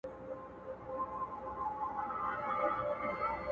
o هندو له يخه مړ سو چرگه ئې ژوندۍ پاته سوه٫